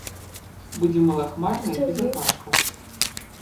Будзе малахмарна і без ападкаў.